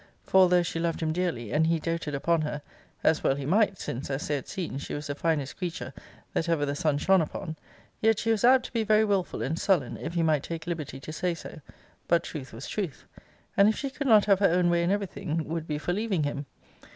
For although she loved him dearly, and he doated upon her, (as well he might, since, as they had seen, she was the finest creature that ever the sun shone upon,) yet she was apt to be very wilful and sullen, if he might take liberty to say so but truth was truth; and if she could not have her own way in every thing, would be for leaving him.